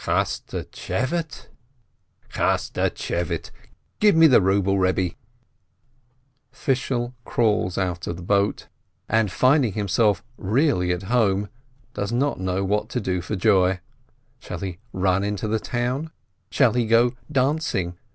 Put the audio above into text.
"Chasch tsche va te ???" "Chaschtschevate ! Give me the ruble, Rebbe !" Fishel crawls out of the boat, and, finding himself really at home, does not know what to do for joy. Shall he run into the town? Shall he go dancing?